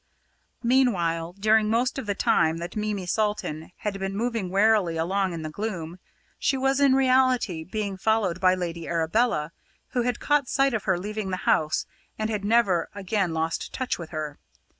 Meanwhile, during most of the time that Mimi Salton had been moving warily along in the gloom, she was in reality being followed by Lady Arabella, who had caught sight of her leaving the house and had never again lost touch with her.